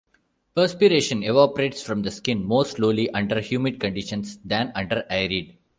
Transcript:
Perspiration evaporates from the skin more slowly under humid conditions than under arid.